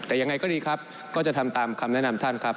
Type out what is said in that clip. แต่ยังไงก็ดีครับก็จะทำตามคำแนะนำท่านครับ